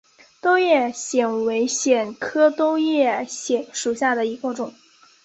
兜叶藓为带藓科兜叶藓属下的一个种。